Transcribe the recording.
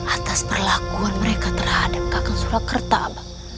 atas perlakuan mereka terhadap kakak surakerta abang